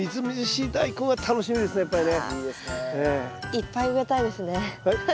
いっぱい植えたいですね。